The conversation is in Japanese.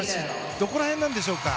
どこら辺なんでしょうか。